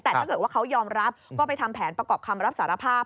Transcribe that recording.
แต่ถ้าเกิดว่าเขายอมรับก็ไปทำแผนประกอบคำรับสารภาพ